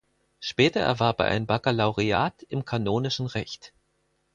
Später erwarb er ein Bakkalaureat im Kanonischen Recht.